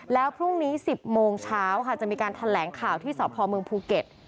แล้วพรุ่งนี้๑๐โมงเช้าค่ะจะมีการแถลงข่าวที่สพเมืองภูเก็ต